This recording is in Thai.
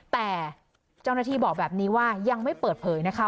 แต่เจ้าหน้าที่บอกแบบนี้ว่ายังไม่เปิดเผยนะคะ